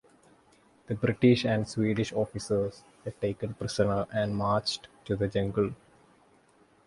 The British and Swedish Officers were taken prisoner and marched to the jungle.